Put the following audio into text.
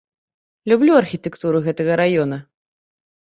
Люблю архітэктуру гэтага раёна.